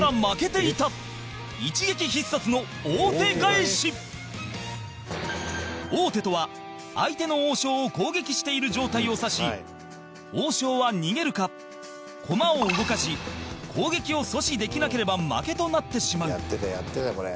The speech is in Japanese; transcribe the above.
え．．．王手とは、相手の王将を攻撃している状態を指し王将は逃げるか、駒を動かし攻撃を阻止できなければ負けとなってしまう山崎：やってた、これ。